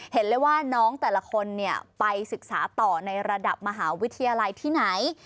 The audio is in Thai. เห็นเลยว่าน้องแต่ละคนไปศึกษาต่อในระดับมหาวิทยาลัยที่ไหน